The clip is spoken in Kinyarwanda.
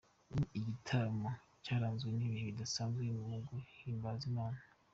Ni igitaramo cyaranzwe n'ibihe bidasanzwe mu guhimbaza Imana.